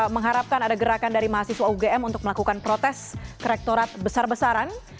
mengharapkan ada gerakan dari mahasiswa ugm untuk melakukan protes ke rektorat besar besaran